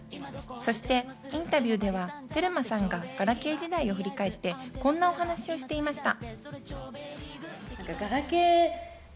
そしてインタビューではテルマさんがガラケー時代を振り返って、こんなお話をしていました。